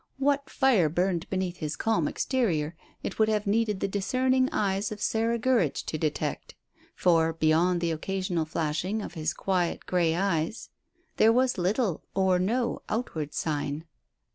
What fire burned beneath his calm exterior, it would have needed the discerning eyes of Sarah Gurridge to detect, for, beyond the occasional flashing of his quiet grey eyes, there was little or no outward sign.